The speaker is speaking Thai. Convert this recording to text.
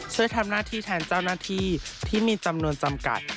ช่วยทำหน้าที่แทนเจ้าหน้าที่ที่มีจำนวนจำกัด